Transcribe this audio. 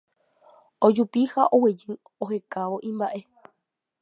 ojupi ha guejy ohekávo imba'e